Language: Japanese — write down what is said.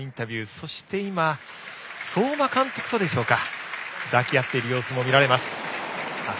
そして今、相馬監督と抱き合っている様子も見られます。